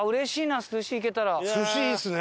寿司いいですね。